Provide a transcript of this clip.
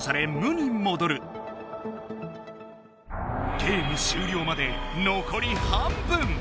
ゲーム終了まで残り半分。